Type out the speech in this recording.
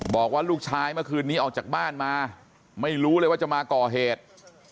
บอกว่าลูกชายเมื่อคืนนี้ออกจากบ้านมาไม่รู้เลยว่าจะมาก่อเหตุ